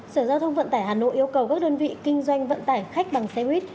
sở giao thông vận tải hà nội yêu cầu các đơn vị kinh doanh vận tải khách bằng xe buýt